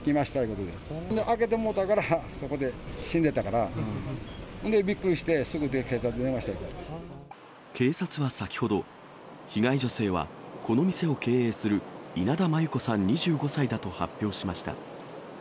で、開けてもろうたからそこで死んでたから、そんでびっくりして、警察は先ほど、被害女性はこの店を経営する、稲田真優子さん２５歳だと発表しました。